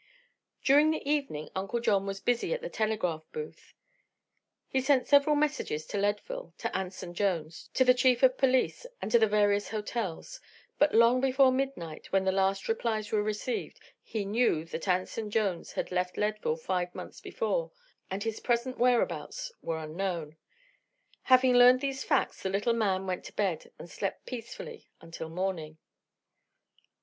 During the evening Uncle John was busy at the telegraph booth. He sent several messages to Leadville, to Anson Jones, to the Chief of Police and to the various hotels; but long before midnight, when the last replies were received, he knew that Anson Jones had left Leadville five months ago, and his present whereabouts were unknown. Having learned these facts the little man went to bed and slept peacefully until morning.